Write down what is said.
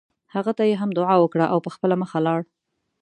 هغه ته یې هم دعا وکړه او په خپله مخه لاړ.